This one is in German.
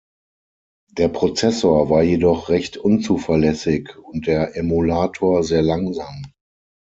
Der Prozessor war jedoch recht unzuverlässig und der Emulator sehr langsam.